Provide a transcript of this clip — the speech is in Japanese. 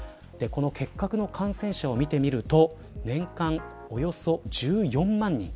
結核の感染者を見てみると年間およそ１４万人。